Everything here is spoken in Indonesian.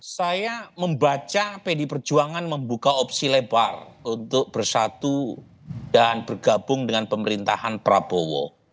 saya membaca pdi perjuangan membuka opsi lebar untuk bersatu dan bergabung dengan pemerintahan prabowo